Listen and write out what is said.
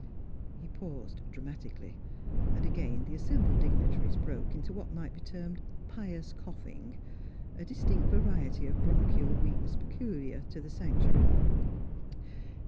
He paused dramatically, and again the assembled dignitaries broke into what might be termed pious coughing, a dis tinct variety of bronchial weakness pecul iar to the sanctuary.